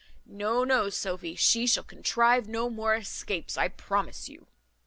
No, no, Sophy, she shall contrive no more escapes, I promise you."